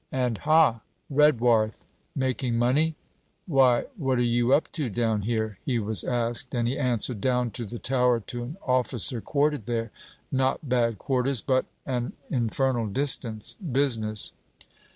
and 'Ha! Redwarth! making money?' 'Why, what are you up to down here?' he was asked, and he answered: 'Down to the Tower, to an officer quartered there. Not bad quarters, but an infernal distance. Business.'